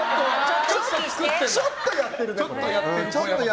ちょっと作ってる。